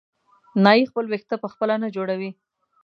نایي خپل وېښته په خپله نه جوړوي.